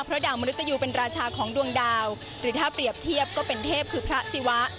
ราชาของดวงดาวหรือถ้าเปรียบเทียบก็เป็นเทพคือพระศิวะ